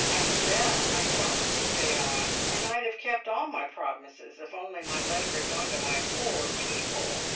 After that I promised to stay on, and I'd have kept all my promises if only my letter had gone to my poor people!"